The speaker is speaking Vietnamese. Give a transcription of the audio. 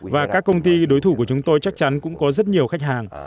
và các công ty đối thủ của chúng tôi chắc chắn cũng có rất nhiều khách hàng